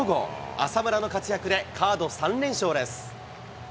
浅村の活躍で、カード３連勝です。